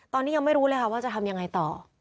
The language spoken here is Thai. ตอนนี้ยังไม่รู้เลยค่ะว่าจะทำยังไงต่อ